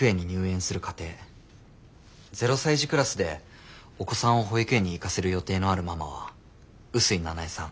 ０歳児クラスでお子さんを保育園に行かせる予定のあるママは臼井奈苗さん